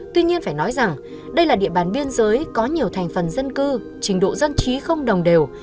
tuy nhiên phải nói rằng đây là địa bàn biên giới có nhiều thành phần dân cư trình độ dân trí không đồng đều